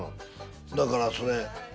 だからそれ。